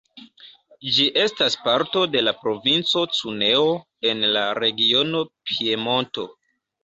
Ĝi estas parto de la provinco Cuneo en la regiono Piemonto.